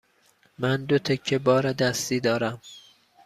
من دو تکه بار دستی دارم.